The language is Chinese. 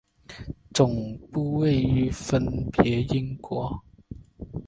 总部位于分别英国。